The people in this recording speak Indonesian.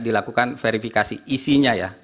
dilakukan verifikasi isinya ya